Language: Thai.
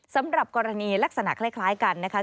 สำหรับกรณีลักษณะคล้ายกันนะคะ